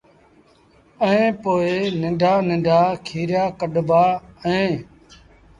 ائيٚݩ پو ننڍآ ننڍآ کيريآ ڪڍبآ اهيݩ